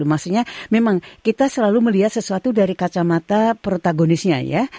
maksudnya memang kita selalu melihat sesuatu dari kacamata protagonisnya ya